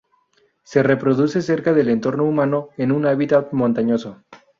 Se reproduce cerca del entorno humano en un hábitat montañoso.